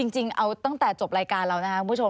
จริงเอาตั้งแต่จบรายการเรานะครับคุณผู้ชม